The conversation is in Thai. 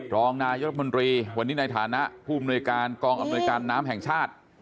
รองนายรัฐมนตรีวันนี้ในฐานะผู้อำนวยการกองอำนวยการน้ำแห่งชาติ